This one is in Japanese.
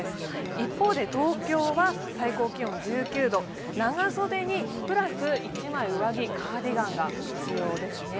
一方で東京は最高気温１９度長袖にプラス１枚上着、カーディンが必要です。